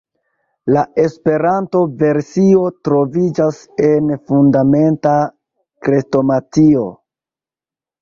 La Esperanto-versio troviĝas en Fundamenta Krestomatio.